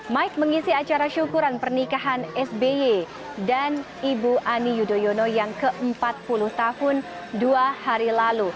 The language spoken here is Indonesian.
mike mengisi acara syukuran pernikahan sby dan ibu ani yudhoyono yang ke empat puluh tahun dua hari lalu